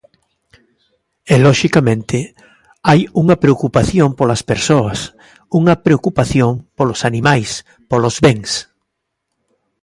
E loxicamente hai unha preocupación polas persoas, unha preocupación polos animais, polos bens.